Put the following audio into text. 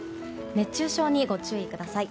熱中症にご注意ください。